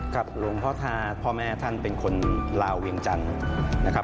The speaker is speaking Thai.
หลวงพ่อท่าพ่อแม่ท่านเป็นคนลาวเวียงจันทร์นะครับ